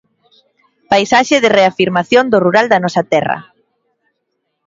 Paisaxe de reafirmación do rural da nosa terra.